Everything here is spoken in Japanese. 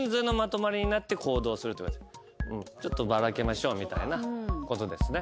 ちょっとバラけましょうみたいなことですね。